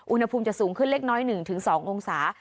อุณหภูมิจะสูงขึ้นเล็กน้อย๑๒องศา